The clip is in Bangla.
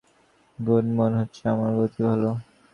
আমার নিজের কাছে নিজের ভালো গুণ মনে হচ্ছে, আমার গতি ভালো।